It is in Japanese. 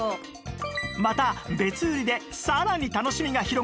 また別売りでさらに楽しみが広がる